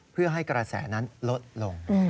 เพื่อให้กระแสนั้นลดลง